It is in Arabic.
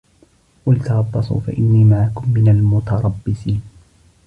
قُلْ تَرَبَّصُوا فَإِنِّي مَعَكُمْ مِنَ الْمُتَرَبِّصِينَ